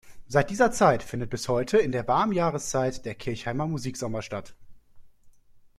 Seit dieser Zeit findet bis heute in der warmen Jahreszeit der Kirchheimer Musiksommer statt.